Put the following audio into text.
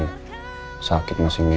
kamu ini sakit masih ngeyel